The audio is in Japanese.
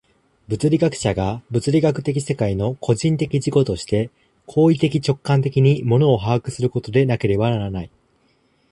物理学者が物理学的世界の個人的自己として行為的直観的に物を把握することでなければならない。